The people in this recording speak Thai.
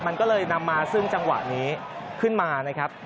มันก็เลยนำมาซึ่งจังหวะนี้ขึ้นมานะครับ